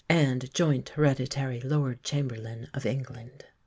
and joint Hereditary Lord Chamberlain of England.